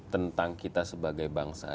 tentang kita sebagai bangsa